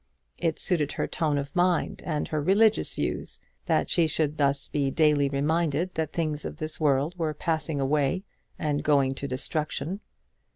It suited her tone of mind and her religious views that she should be thus daily reminded that things of this world were passing away and going to destruction.